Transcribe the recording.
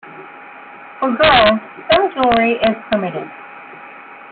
For girls some jewelry is permitted.